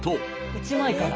１枚から？